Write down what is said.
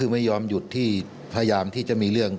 ไม่ยอมหยุดอยู่